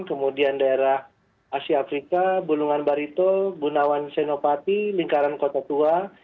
kemudian daerah asia afrika bulungan barito bunawan senopati lingkaran kota tua